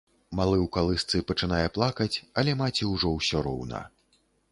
Малы ў калысцы пачынае плакаць, але маці ўжо ўсё роўна.